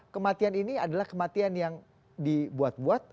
kematian ini adalah kematian yang dibuat buat